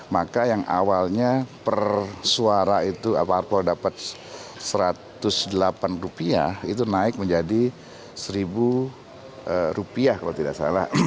maka yang awalnya per suara itu parpol dapat rp satu ratus delapan itu naik menjadi rp satu kalau tidak salah